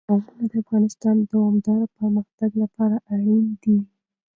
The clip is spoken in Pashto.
قومونه د افغانستان د دوامداره پرمختګ لپاره اړین دي.